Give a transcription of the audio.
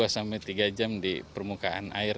dua sampai tiga jam di permukaan air